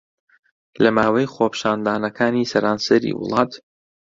لە ماوەی خۆپیشاندانەکانی سەرانسەری وڵات